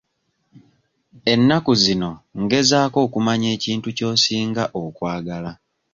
Ennaku zino ngezaako okumanya ekintu ky'osinga okwagala.